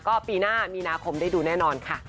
ก็ปีหน้ามีนาคมได้ดูแน่นอนค่ะ